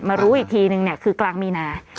รู้อีกทีนึงคือกลางมีนา